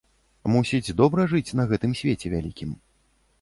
Мусіць, добра жыць на гэтым свеце вялікім?